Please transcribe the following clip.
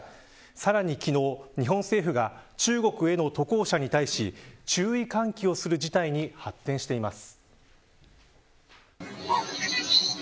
さらに昨日、日本政府が中国への渡航者に対し注意喚起をする事態に発展しています。